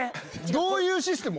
どういうシステム？